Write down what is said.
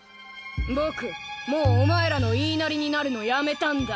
ぼくもうお前らの言いなりになるのやめたんだ。